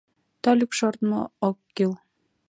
Тольык шортмо ок кӱл.